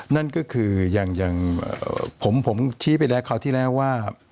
นั่นก็คืออย่างผมชี้ไปแล้วคราวที่แล้วว่า